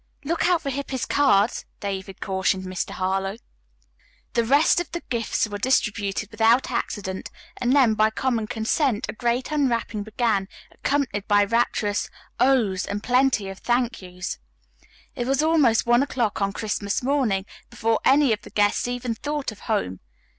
"Look out for Hippy's cards," David cautioned Mr. Harlowe. The rest of the gifts were distributed without accident, and then by common consent a great unwrapping began, accompanied by rapturous "ohs," and plenty of "thank yous." It was almost one o'clock on Christmas morning before any of the guests even thought of home.